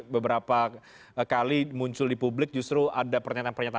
beberapa kali muncul di publik justru ada pernyataan pernyataan